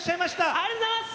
ありがとうございます。